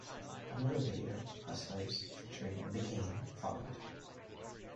Another video, Hustlers, featuring The Game, followed.